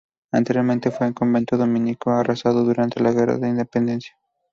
Anteriormente fue un convento dominico arrasado durante la Guerra de la Independencia.